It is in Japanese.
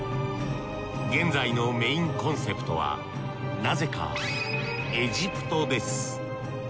現在のメインコンセプトはなぜかエジプトです。